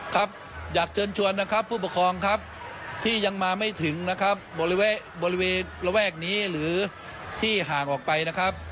ครับอยากเชิญชวนนะครับผู้ปกครองครับที่ยังมาไม่ถึงนะครับบริเวณบริเวณระแวกนี้หรือที่ห่างออกไปนะครับ